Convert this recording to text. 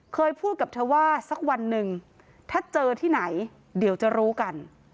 เคยพูดกับเธอว่าสักวันหนึ่งถ้าเจอที่ไหนเดี๋ยวจะรู้กัน